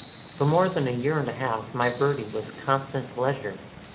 For more than a year and a half my birdie was a constant pleasure.